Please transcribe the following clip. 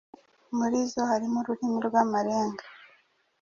muri zo harimo Ururimi rw’Amarenga